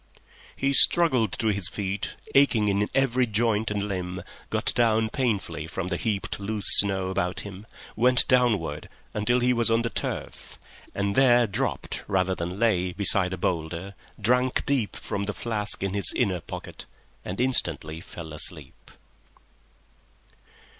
He struggled to his feet, aching in every joint and limb, got down painfully from the heaped loose snow about him, went downward until he was on the turf, and there dropped rather than lay beside a boulder, drank deep from the flask in his inner pocket, and instantly fell asleep